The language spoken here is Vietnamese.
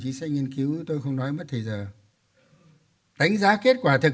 và đến năm hai nghìn bốn mươi năm là một trăm linh năm thành lập nước